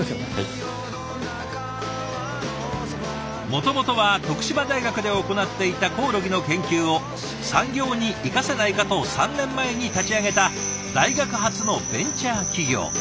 もともとは徳島大学で行っていたコオロギの研究を産業に生かせないかと３年前に立ち上げた大学発のベンチャー企業。